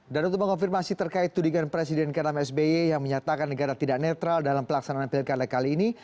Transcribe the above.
dan untuk mengonfirmasi terkait tudingan presiden k enam sby yang menyatakan negara tidak netral dalam pelaksanaan pilkada kali ini